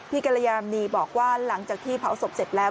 กรยามณีบอกว่าหลังจากที่เผาศพเสร็จแล้ว